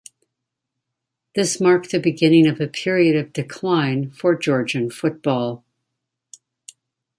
This marked the beginning of a period of decline for Georgian football.